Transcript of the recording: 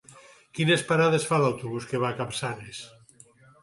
Quines parades fa l'autobús que va a Capçanes?